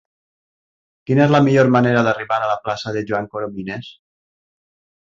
Quina és la millor manera d'arribar a la plaça de Joan Coromines?